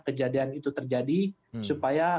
kejadian itu terjadi supaya